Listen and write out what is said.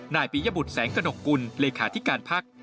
ปียบุตรแสงกระหนกกุลเลขาธิการพัก